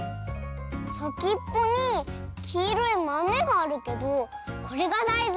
さきっぽにきいろいまめがあるけどこれがだいず？